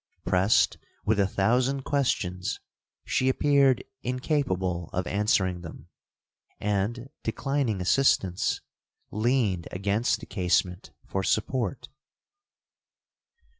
Pressed with a thousand questions, she appeared incapable of answering them, and, declining assistance, leaned against the casement for support.